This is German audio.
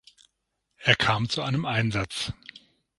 Er kam zu einem Einsatz.